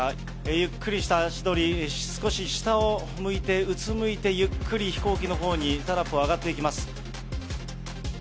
ゆっくりした足取り、少し下を向いて、うつむいて、ゆっくり飛行機のほうに、タラップを上がっていきます。